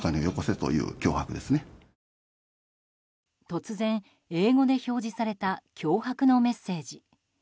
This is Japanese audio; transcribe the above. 突然、英語で表示された脅迫のメッセージ。